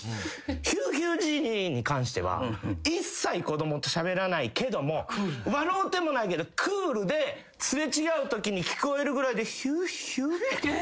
ひゅーひゅージジイに関しては一切子供としゃべらないけども笑うてもないけどクールで擦れ違うときに聞こえるぐらいで「ひゅーひゅー」